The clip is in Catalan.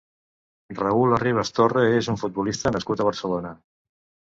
Raúl Arribas Torre és un futbolista nascut a Barcelona.